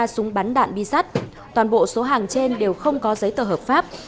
ba súng bắn đạn bi sắt toàn bộ số hàng trên đều không có giấy tờ hợp pháp